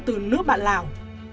từ nước bạn lào